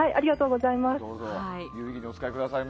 どうぞ、有意義にお使いください。